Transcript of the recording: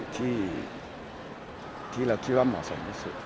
ที่เราคิดว่าเหมาะสมที่สุด